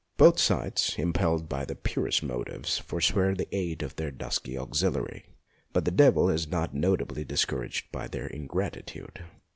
Both sides, impelled by the purest motives, forswear the aid of their dusky auxiliary, but the devil is not notably discouraged by their ingrati tude.